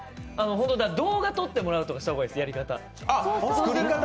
動画撮ってもらうとかした方がいいです、やり方。